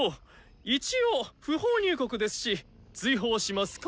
一応不法入国ですし追放しますか？